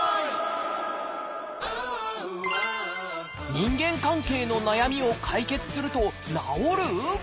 人間関係の悩みを解決すると治る？